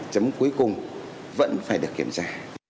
chấm cuối cùng vẫn phải được kiểm tra